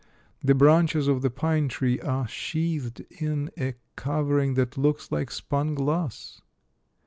The branches of the pine tree are sheathed in a cover ing that looks like spun glass.